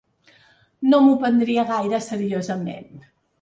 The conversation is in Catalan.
No m'ho prendria gaire seriosament.